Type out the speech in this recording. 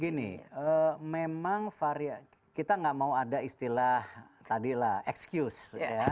gini memang varian kita tidak mau ada istilah tadilah excuse ya